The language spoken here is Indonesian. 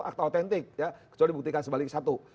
akta autentik ya kecuali dibuktikan sebaliknya satu